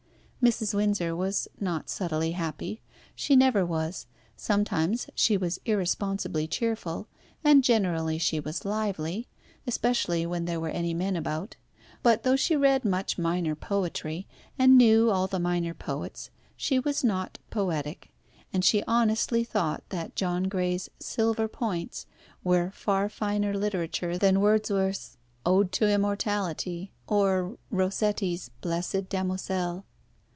Mrs. Windsor was not subtly happy. She never was. Sometimes she was irresponsibly cheerful, and generally she was lively, especially when there were any men about; but though she read much minor poetry, and knew all the minor poets, she was not poetic, and she honestly thought that John Gray's "Silver Points" were far finer literature than Wordsworth's "Ode to Immortality," or Rossetti's "Blessed Damosel."